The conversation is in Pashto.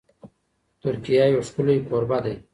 ترکیه یو ښکلی کوربه دی.